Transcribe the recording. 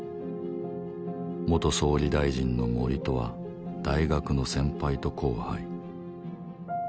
元総理大臣の森とは大学の先輩と後輩